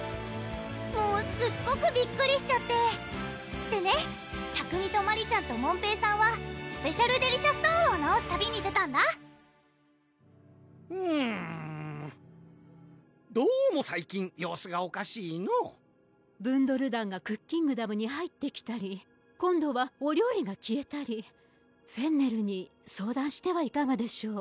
もうすっごくびっくりしちゃってでね拓海とマリちゃんと門平さんはスペシャルデリシャストーンを直す旅に出たんだふむどうも最近様子がおかしいのうブンドル団がクッキングダムに入ってきたり今度はお料理が消えたりフェンネルに相談してはいかがでしょう？